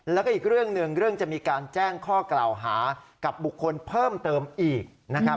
แล้วก็อีกเรื่องหนึ่งเรื่องจะมีการแจ้งข้อกล่าวหากับบุคคลเพิ่มเติมอีกนะครับ